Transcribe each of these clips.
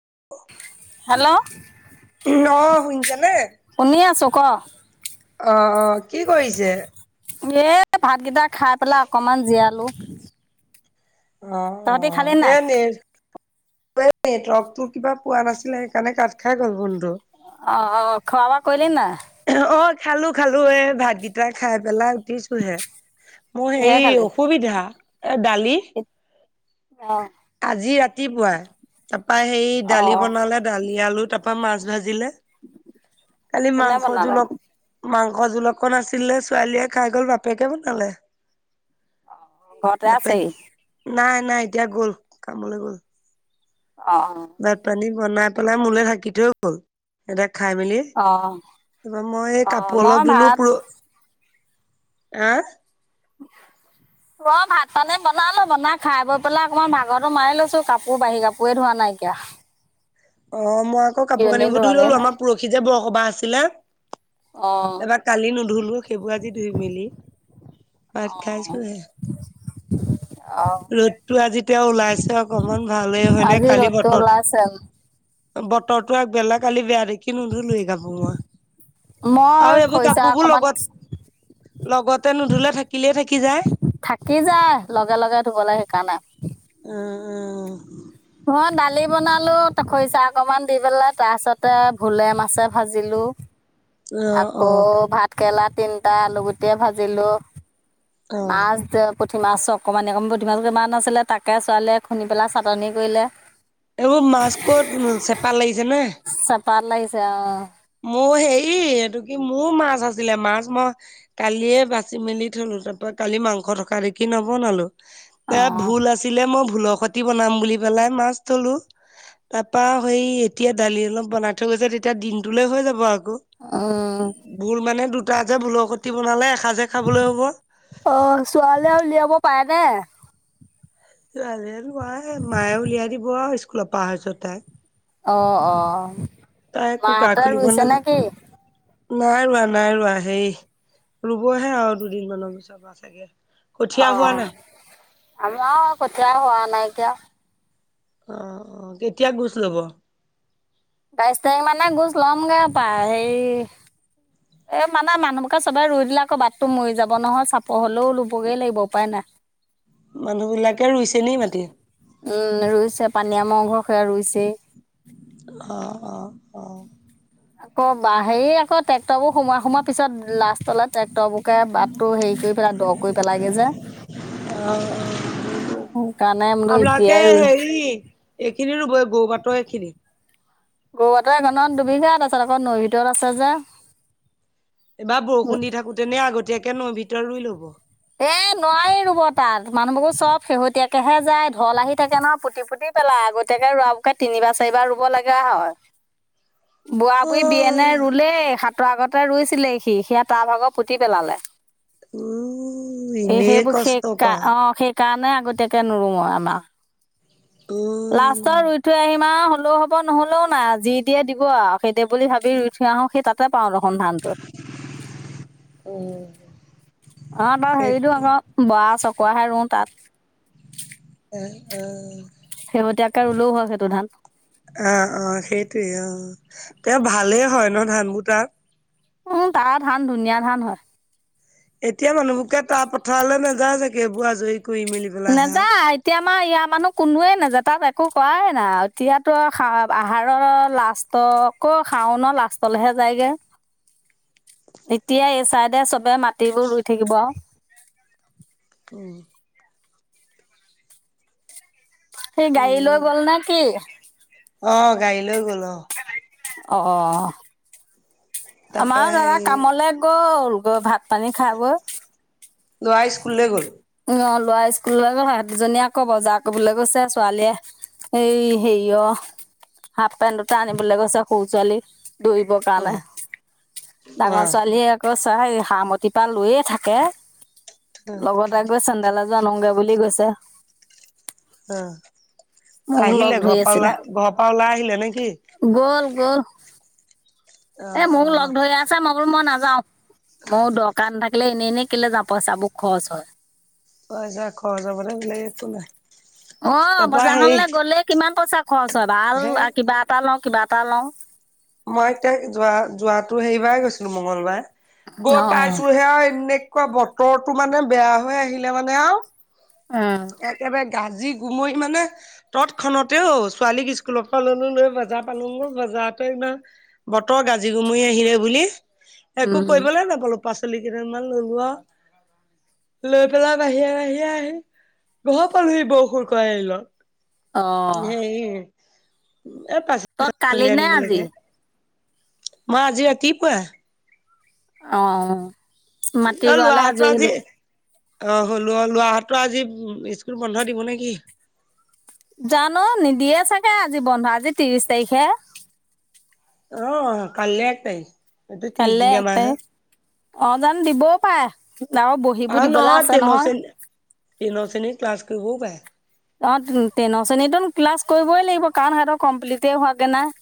[unintelligible] Hello, অ শুনিছানে শুনি আছোঁ ক? অ', অ', কি কৰিছে? এই ভাতকেইটা খাই পেলাই অকণমান জীয়ালো। অ অ তহঁতি খালি নাই এনে ৱে নেটৱৰ্কটো তোৰ কিবা পোৱা নাছিলে সেইকাৰণে কাট খাই গ'ল বন্ধু। অ অ খোৱা বোৱা কৈৰিলে নাই? অ খালো খালো এ ভাতগিটা খাই পেলাই দিছো হে মোৰ কিহে হেৰি খালি অসুবিধা, এ দালি অ আজি ৰাতিপুৱাই তা পা সেই অ দালি বনালে দালি, আলু তাপ মাছ ভাজিলে, কালি কোনে মাংস বনালে জুল অ'ক মাং সজুল অকণ আছিলে ছোৱালীয়ে খাই গ'ল বাপেকে বনালে। অ ঘৰতে আছে বাপেক সি। নাই নাই এতিয়া গ'ল কামলৈ গ'ল। অ অ। ভাত পানী বনাই পেলাই মোলে ঢাকি থৈ গ'ল। এ ঢাক খাই মেলি, অ তা পা মই এই অ কাপোৰ অলপ মই ধোলো ভাত পোল আহ ত ভাত পানে বনালো বনাই খাই বৈ পেলাই অকণমান ভাগৰো মাৰি লৈছো, কাপোৰ বাঢ়ি কাপোৰে ধোৱা নাই। আগ্যা। অ মই আকৌ কাপোৰ কানিব ধুই ললো নাই আমাৰ পৰহি যে বৰসবাহ আছিলে। অ এবাৰ কালি নুধুলো সেইবোৰ আজি ধুই মেলি অ ভাত খাইছো হে। অ ৰ'দটো আজিতিয়া ওলাইছে অকমান ভালেই হয় নে আজি কালি ৰ'দটো ওলাইছে বতৰত বতৰটো আগবেলা কালি বেয়া দেখি নোধোলোৱে কাপো মই। মই আৰু এইবোৰ খৰিচা কাপোৰবোৰ অকমান লগত লগতে নুধুলে থাকিলেই থাকি যায়। থাকি যায় লগে লগে ধুব লাগে সেইকাৰণে উম উম মই দালি বনালোঁ ত খৰিচাহ অকণমান দি পেলাই তাৰপিছতে ভোলে মাছে ভাজিলোঁ অ' অ' আকৌ অ' ভাত কেৰেলাত তিনটা আলু গুটি ভাজিলো অ' মাছ পুঠি মাছ অকণমানি অকণমানি পুঠি মাছ কিমান আছিলে তাকে ছোৱালীয়ে খুন্দি পেলাই চাটনি কৰিলে এইবোৰ মাছ ক'ত চেপা লাগিছে নে পাত লাগিছে অ মোৰ হেৰি এইটো কি মোৰ মাছ আছিলে মাছ মই কালিয়ে বাচি মেলি থলো। তাৰ পৰাৰা কালি মাংস থকা দেখি নবনালো অ এ ভুল অ আছিলে মই ভোুল খতি বনাম বুলি পেলাই মাছ ধলোঁ। তাৰপা সেই এতিয়া দালি অলপ বনাই থৈ গৈছে তেতিয়া দিন দলে হৈ যাব আকৌ উম ভুল মানে দুটা যে ভুলৰকতি বনালে এসাঁজে খাবলৈ হ'ব। অ', ছোৱালীয়ে আৰু উলিয়াব পাৰে নে। ছোৱালীয়ে নোৱাৰে মায়ে উলিয়াই দিব আৰু স্কুলত পাৰ হৈছ তাই অ', অ তাই কুকাৰ মাহতৰ খুলিব ৰুইছে নাজানে। নে কি? নাই ৰোৱা, নাই ৰোৱা, সেই ৰুবহে আৰু দুদিন মানৰ পিছৰ মা চাগে। অ', কঠীয়া হোৱা নাই। আমাৰ কঠিয়াৰ হোৱা নাই কিয়। আহ, অ কেতিয়া গুচ লব। বাইশ তাৰিখ মানে গুছ ল'মগে পা হেই এ মানে মানুহবোৰোকে চবে ৰুই দিলে আকৌ বাটটো মৰি যাব নহয় চাপৰ হলেও লবগৈ লাগিব উপায় নাই। মানুহ বিলাকে ৰুইছে নি মাটতি। পানীয় [unintelligible] সে ৰুইছেই আহ, আহ, আহ। আকৌ, হেৰি আকৌ ট্ৰেক্টৰ বোৰ সোমাই সোমাৰ পিছত লাষ্টলে ট্ৰেক্টৰবোৰকে বাট টো হেৰি কৰি পেলাই দ কৰি পেলাইগে যে আহ সেইকাৰণে বোলো আপোনাকে এতিয়াই ৰুই হেৰি এইখিনি ৰুৱেগৌ পাতৰ এইখিনি গৰুটো এখনত দুবিঘাত আছে আকৌ নৈ ভিতৰত আছে যে বা বৰষুণ দি থাকোতে নে আগতীয়াকেনো নৌ ভিতৰত ৰুই লব। এ নোৱাৰি ৰুব তাত মানুহবোৰ চব শেহতীয়াকেহে যায় ঢল আহি থাকে নহ পুতি পুতি পেলা আগতীয়াকে ৰোৱ বকে তিনিবাৰ চাৰিবাৰ ৰুব লগা হয়। [unintelligible] বোৱা অ বোৱাৰী বিয়নে ৰুলেই হাত। ত তৰ আগতে ৰুইছিলে সি সিয়া তাৰ ভাগৰ পুতি পেলালে উ। এই এনেই সেইবোৰ সেই কষ্ট কৰা অ সেইকাৰণে আগতীয়াকে নুৰো আমাৰ উম লাষ্টত ৰুই থৈ আহিম। হলেও হ'ব নহলেও নাই যি দিয়ে দিব আৰু সেইতিয়া বুলি ভাবি ৰুই থৈ আহো সেই তাতে পাওঁ ন স ধানটো উম [unintelligible] অ', তাৰ হেৰিতটো সেইটোৱে আকৌ বৰা চক মইহো ৰু তাত। অ', সেৱতীয়াকে ৰুলেও হয় সেইটো ধান। আহ, অ', সেইটোৱে অ তেওঁ ভালেই হয় ন ধান বুটাক। উম, তাৰ ধান ধুনীয়া ধান হয়। এতিয়া মানুহবোৰকে তাৰ পথাৰলৈ নাযায় যোগেবোৰ আজৰি কৰি মেলি পেলাই আহে নেযায় আৰু। এতিয়া আমাৰ ইয়াৰ মানুহ কোনোৱে নাযায় তাত একো কোৱাই নাই এতিয়াতো আহাৰৰ লাষ্টত অ', আকৌ খাও ন লাষ্টলৈহে যায়গে। [unintelligible] এতিয়া এই চাইডে চবে মাটিবোৰ ৰুই থাকিব। [unintelligible] সেই গাড়ী লৈ উম গ'ল নে কি। অ', গাড়ী লৈ গ'ল অ',। অ', অ',। তাৰপা আমাৰো দাদা হেৰি কামলে গ'ল গৈ ভাত পানী খাই বৈ ল'ৰা স্কুললৈ গ'ল। অ লৰা স্কুললৈ সিহতদুজনীয়ে আকৌ বজাৰ কৰিবলৈ গৈছে ছোৱালীয়ে এই হেৰি অ', হাফ পেণ্ট দুটা আনিবলৈ গৈছে সৰু ছোৱালী। দৌৰিবৰ অ কাৰণে, অ ডাঙৰ ছোৱালীয়ে আকৌ হে সাৰমতি পৰা লৈয়ে থাকে, লগতে গৈ চেন্দেল এজ [unintelligible] বুলি কৈছে। আহ, আহিলে ধৰি ঘৰ পৰা আছিলে ওলাই, ঘৰৰ পৰা ওলাই আহিলে নেকি? গ'ল গ'ল, এ মোক অ লগ ধৰি আছে, মই বোলো মই নাযাও। মোৰ দৰকাৰ নাথাকিলে এনেই এনেই কেলে যাও, পইচাবোৰ খৰচ হয়। পইচা খৰচ [unintelligible] একো নাই। অ', তাৰপা হেৰি বজাৰখনলে গ'লে কিমান পইচা খৰচ হয়, হে ভাল কিবা এটা লওঁ কিবা এটা [unintelligible] লওঁ। মই এতিয়া যোৱা-যোৱাতো সেইবাৰ গৈছিলো মংগলবাৰে। অ গৈ পাইছোহে আৰু, এনেকুৱা বতৰটো মানে বেয়া হৈ আহিলে মানে আৰু। উম একেবাৰে গাজি গুমৰি মানে তৎক্ষনতে ঔ, ছোৱালীক স্কুলৰ পৰা ললো, লৈ বজাৰ পালো বজ [unintelligible] বতৰ গাজি গুমৰি আহিলে বুলি, একো উম কৰিবলৈ নাপালোঁ পাচলি কেইদমান ললো আৰু, লৈ পেলাই বাহিৰে বাহিৰে আহি ঘৰ পালোহি বৰষুুৰ [unintelligible] আহিলত, অ হেই এ তই কালি [unintelligible] নে আনিব আজি লাগে, মই আজি ৰাতিপুৱা অ', অ মাটি ৰুোৱালে লৰাহতৰ আজৰি আজি হলি। অ', হলো অ', লৰা হতৰ আজি স্কুল বন্ধ দিব নেকি? জানো নিদিয়ে চাগে আজি বন্ধ, আজি ত্ৰিশ তাৰিখহে। আহ, কাললৈ এক তাৰি, এইটো ত্ৰিশ কাইলে দিনীয়া এক মাহ হে। তাৰিখ অ', জানো দিবও পাৰে। আৰু বহীবোৰ অ', দিবলে নহয়, আছে [unintelligible] ক্লাছ কৰিবও পায়। অ', টেনৰ শ্ৰেণীতো ক্লাছ কৰিবই লাগিব কাৰণ সিহঁতৰ কমপ্লিতে হোৱাগে নাই।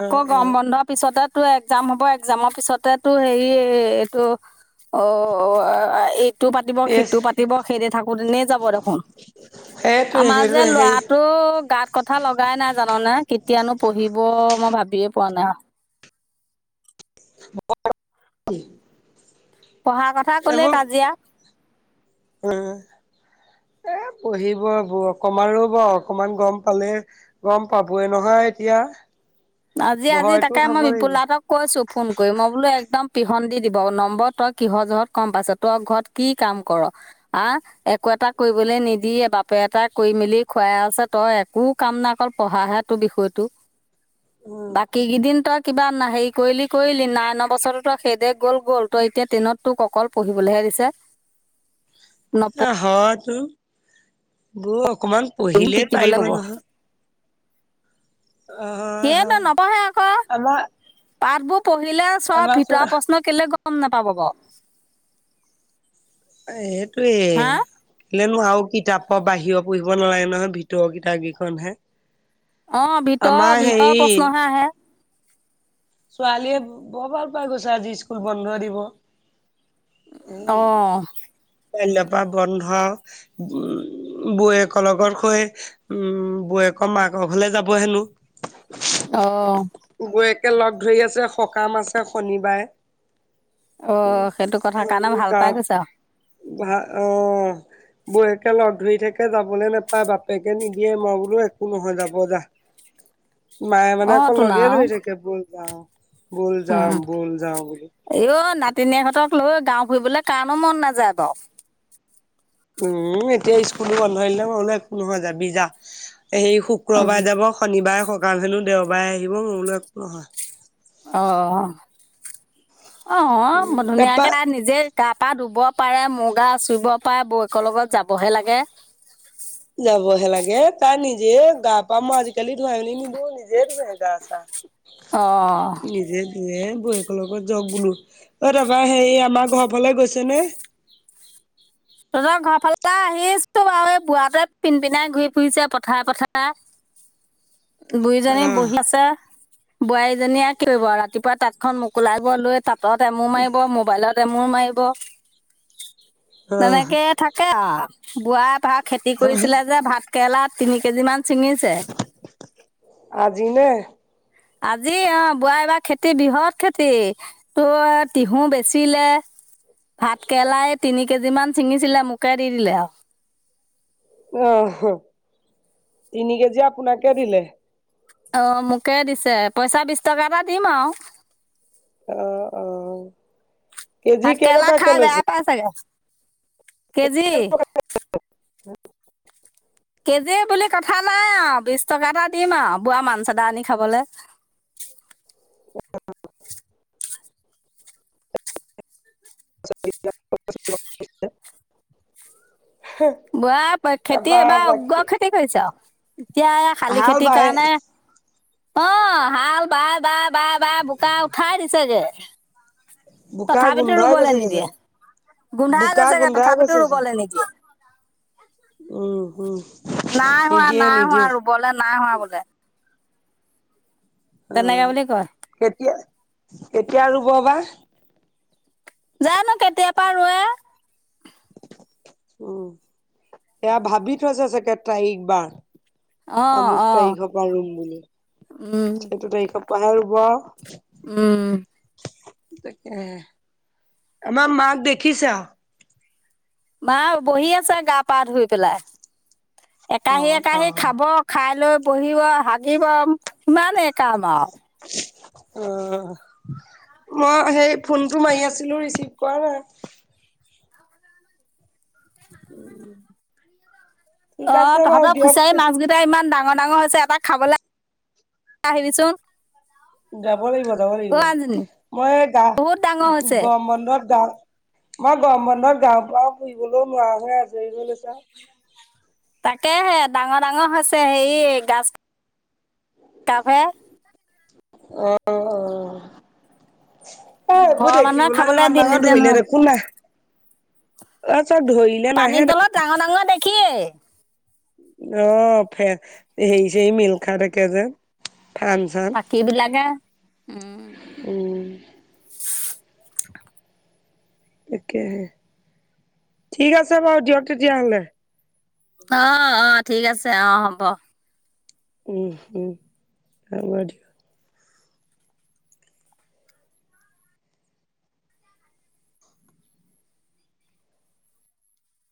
আকৌ গৰম অ', বন্ধৰ পিছতে টো একজাম হ'ব একজামৰ পিছতেটো হেৰি এইটো অ', এইটো পাতিব, ইয়েছ সিটো পাতিব সেইদি থাকোঁতে দিনেই যাব দেখোন। হে আমাৰ যে, ল'ৰাটো গাত কথা লগাই নাই জাননে কেতিয়ানো, পঢ়িব মই ভাবিয়ে পোৱা‌ নাই। [unintelligible] পঢ়া কথা ক'লে এইবোৰ কাজিয়া। অ', [unintelligible] পঢ়িব বৌ, অকমান ৰ'ব, অকমান গম পালে, গম পাবই নহয় এতিয়া। আজি, আজি ভয়তো তাকে খাব মই বিপুল লাগিব। দা‌হঁতক কৈছোঁ ফোন কৰি মই বোলো একদম পিহন দি দিব নম্বৰ তই কিহৰ জহত কম পাইছ, তই ঘৰত কি কাম কৰ আ একো এটা কৰিবলৈ নিদিয়ে, বাপে এটা কৰি মেলি খুৱাই আছে তই একো কাম নাই অকল পঢ়াহে। টো, বিষয়টো উম, বাকী কিদিন তই কিবা হেৰি কৰিলি, কৰিলি নাইনৰ বছৰটো তই সেইদে গ'ল, গ'ল তই এতিয়া ট্ৰেইনত তোক অকল পঢ়িবলৈহে [unintelligible] নপঢ়ি হয়তো, বৌ অকমান পঢ়িলেই পাৰিব নহয়। অ', হয়, সেইটো হয়, নপঢ়ে আকৌ আমাৰ [unintelligible] পঢ়িলে চব আমাৰ ভিতৰৰ‌ চোৱা প্ৰশ্ন কেলে গম নাপাব বাৰু। হেটোৱেই। হা [unintelligible] আৰু কিতাপৰ বাহিৰৰ পঢ়িব নালাগে নহয়, ভিতৰৰ কিতাপ কেইখন হে। অ', ভিতৰ-ভিতৰ প্ৰশ্নহে আহে। ছোৱালীয়ে বৰ ভাল পাই গৈছে আজি স্কুল বন্ধ দিব। অ', কাইলে পৰা বন্ধ আৰু, উম বৌৱেকৰ লগত শুই উম বৌৱে মাকৰ ঘৰলে যাব হেনো। অ', বৌৱেকে লগ ধৰি আছে সকাম আছে শনিবাৰে। অ সেইটো কথা কাৰণে উ, ভাল গা পাই গৈছে আৰু ভাল অ'। বৌৱেকে লগ ধৰি থাকে যাবলৈ নোপায় বাপেকে নিদিয়ে মই বোলো একো নহয় যাব যা। মায়ে মানে অ আকৌ তোন লগেই আৰু ধৰি থাকে বল যাওঁ। ব'ল যাম ব'ল যাও বুলি। ভিনিয়েকহঁতক লৈ গাওঁ ফুৰিবলৈ কাৰনো মন নাযায় বাৰু। উম, এতিয়া স্কুলো বন্ধ হেনো মই বোলো একো নহয় যাবি যা। এই উম, শুক্ৰবাৰে যাব শনিবাৰে সকাম হেনো দেওবাৰে আহিব মই বোলো একো নহয়। অ, অ', তাপা ধুনীয়াকে তাই নিজে গা পা ধুব। তাৰে মুগা চুবপা বৌৱেকৰ লগত যাবহে লাগে। যাবহে লাগে। তাই নিজে গা পা মই আজিকালি ধুৱাই মেলি নিদিওঁ নিজে ধোৱে গা চা। অ নিজে ধোৱে। বৌকৰ লগত যাওঁক বোলো। এ তাৰপা হেই আমাৰ ঘৰৰ ফালে গৈছ নে? [inaudible] তহঁতৰ ঘৰ ফালেতে আহিছো বাৰু এই বুঢ়াতোৱে পিন্ পিনাই ঘূৰি ফুৰিছে পথাৰে পথাৰে। [inaudible] বুইজনী অহ বহি আছে। বোৱাৰীজনীয়ে কি কৰিব আৰু ৰাতিপুৱা তাঁতখন মোকোলাব লৈ তাঁতত এমুৰ মাৰিব মোবাইলত। এমোৰ মাৰিব। অহ তেনেকেইে থাকে আৰু। বুঢ়াই ভা খেতি কৰিছিলে যে ভাত কেৰেলা তিনি কেজি মান ছিঙিছে আজি নে? আজি অ, বুঢ়াৰ এইবাৰ খেতি বৃহৎ খেতি তোৰ তিহু বেচিলে। ভাত কেৰেলাই তিনি কেজি মান ছিঙিছিলে মোকে দি দিলে আৰু। অ'হ তিনি কেজি আপোনাকে দিলে। অ, মোকে দিছে পইচা বিশ টকা এটা দিম আৰু। অ, অ, কেজি ভাত কেৰেলা কেইটকাকে খাই লৈছে। বেয়া পাই চাগে কেজি? হুম। কেজি বুলি কথা নাই আৰু বিশ টকা এটা দিম আৰু বুঢ়া মানচেদা আনি খাবলে। [unintelligible] [unintelligible] বুৰাৰ খেতি তাৰপা এবাৰ বাকী উগ্ৰ খেতি কৰিছে। এতিয়া এই শালি ভাল খেতিৰ বাই কাৰণে অ, হাল বায়, বায়, বায়, বায় বোকা উঠাই দিছেগে। বোকা তথাপিতো গোন্ধাই ৰুবলৈ গৈছেগে নিদিয়ে। চাগে গোন্ধাই বোকা গৈছেগে গোন্ধাই গৈছে তথাপিতো চাগে ৰুবলৈ নিদিয়ে। উম উম নাই হোৱা, নিদিয়ে নাই হোৱা নিদিয়ে ৰুবলৈ নাই হোৱা বোলে। অ, তেনেকে বুলি কয় কেতিয়া কেতিয়া ৰুব বা। জানো কেতিয়া পৰা ৰোৱে। উম, এয়া ভাবি থৈছে চাগে তাৰিখ বাৰ। অ', আমুক অ', তাৰিখৰ পৰা ৰুম বুলি। উম সেইটো তাৰিখৰ পৰা ৰুব আৰু। উম। তাকে, আমাৰ মাক দেখিছা। মা বহি আছে গা পা ধুই পেলাই। অ একাহি অ একাহি খাব খাই লৈ বহিব হাগিব সিমানেই কাম আৰু উ মই সেই ফোনটো মাৰি আছিলোঁ ৰিচিভ কৰা নাই উম অ তহঁতৰ ফিচাৰী মাছ কেইটা ইমান ডাঙৰ ডাঙৰ হৈছে এটা খাবলৈ আহিবিচোন যাব লাগিব যাব লাগিব অ', আইজনী মই গা বহুত ডাঙৰ হৈছে গৰম বন্ধত যাম মই গৰম বন্ধত গাওঁ চাওঁ ফুৰিবলৈও নোৱাৰা হয় আজৰি হয় লৈছোঁ তাকেহে ডাঙৰ ডাঙৰ হৈছে হেয়ি গছ [unintelligible] অহ অ অ এইবোৰ ঘৰৰ মানুহে দেখিবলে খাবলৈ যিমান দিলে ডাঙৰ যে ধৰিলে নহয় দেখোঁ নাহ চব ধৰিলে নাহে কি। অ ফে সেই সেই মিল খা থাকে যে ফান চান পাখিবিলাকে উম। এতিয়াহে, ঠিক আছে বাৰু দিয়ক তেতিয়াহলে। অ অ ঠিক আছে অ হ'ব। উম উম হব দিয়ক।